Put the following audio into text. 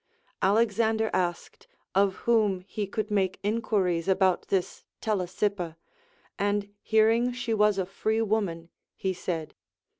Alexander asked, of whom he could make inquiries about this Telesippa, and hearing she was a free woman, he said.